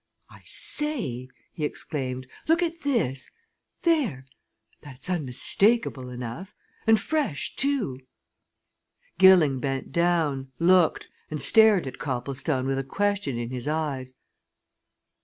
"I say!" he exclaimed. "Look at this! There! that's unmistakable enough. And fresh, too!" Gilling bent down, looked, and stared at Copplestone with a question in his eyes.